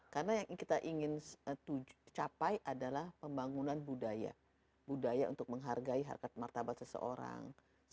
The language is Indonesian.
karena yang kita ingin capai adalah pembangunan budaya budaya untuk menghargai harta martabat seseorang